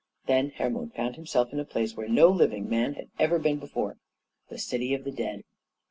Then Hermod found himself in a place where no living man had ever been before the City of the Dead.